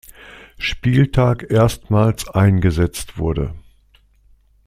Spieltag erstmals eingesetzt wurde.